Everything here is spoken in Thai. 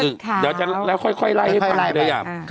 อื้อแล้วค่อยไล่ให้ปลายเลยอ่ะ